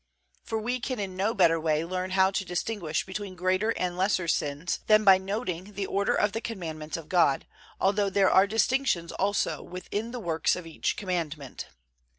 For we can in no better way learn how to distinguish between greater and lesser sins than by noting the order of the Commandments of God, although there are distinctions also within the works of each Commandment.